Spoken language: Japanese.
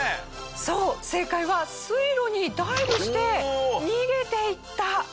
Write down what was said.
そう正解は水路にダイブして逃げていったでした。